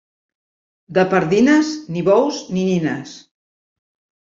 De Pardines, ni bous ni nines.